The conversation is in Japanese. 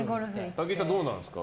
武井さん、どうなんですか？